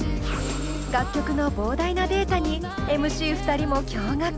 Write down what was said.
楽曲の膨大なデータにＭＣ２人も驚愕！